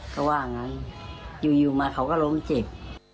เขาว่างั้นอยู่มาเขาก็ล้มเจ็บ